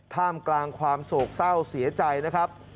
ท่ามกลางความโศกเศร้าเสียใจนะครับ